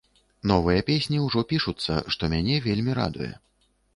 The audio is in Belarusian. Новыя песні ўжо пішуцца, што мяне вельмі радуе.